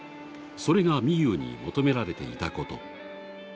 それが、みゆうに求められていたこと。